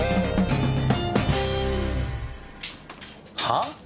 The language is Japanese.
はあ？